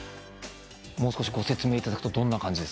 もう少しご説明いただくとどんな感じですか？